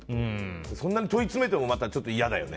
そんなに問い詰めてもまたちょっと嫌だよね。